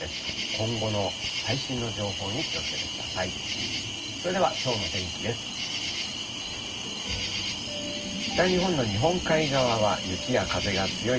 今後の最新の情報に気をつけてください。